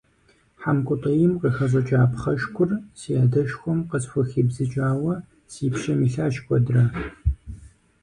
Хьэмкӏутӏейм къыхэщӏыкӏа пхъэшкур си адэшхуэм къысхухибзыкӏауэ си пщэм илъащ куэдрэ.